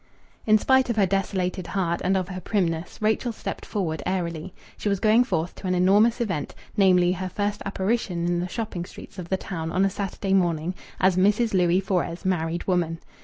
In spite of her desolated heart, and of her primness, Rachel stepped forward airily. She was going forth to an enormous event, namely, her first apparition in the shopping streets of the town on a Saturday morning as Mrs. Louis Fores, married woman.